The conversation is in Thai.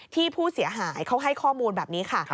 ที่ผู้เสียหายเขาให้ข้อมูลแบบนี้ค่ะ